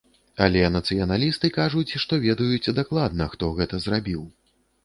Але нацыяналісты кажуць, што ведаюць дакладна, хто гэта зрабіў.